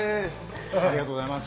ありがとうございます。